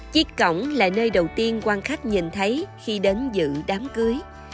chiếc cổng là nơi đầu tiên quan khách nhìn thấy khi đến dự đám cưới